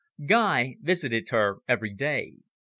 Guy visited her every day.